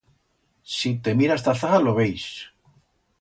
Si te miras ta zaga lo veis.